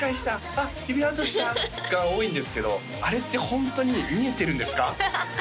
「あっ指ハートした！」が多いんですけどあれってホントに見えてるんですか？